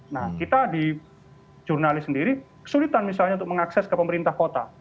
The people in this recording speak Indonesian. nah kita di jurnalis sendiri kesulitan misalnya untuk mengakses ke pemerintah kota